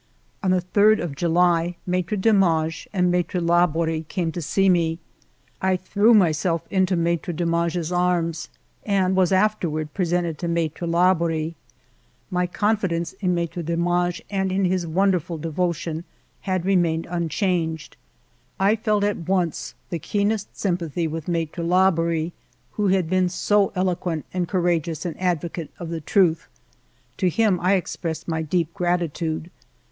On the 3d of July Maitre Demange and Maitre Labori came to see me. I threw myself into Maitre Demange's arms and was afterward presented to Maitre Labori. My confidence in Maitre Demange and in his wonderful devotion, 302 FIVE YEARS OF MY LIFE had remained unchanged. I felt at once the keen est sympathy with Maitre Labori, who had been so eloquent and courageous an advocate of the truth. To him I expressed my deep gratitude.